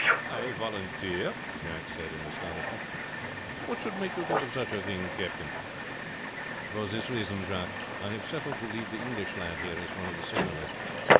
"I volunteer!" Jacques said in astonishment. "What should make you think of such a thing, captain?" "For this reason, Jacques: I have settled to leave the English lad here as one of the signallers.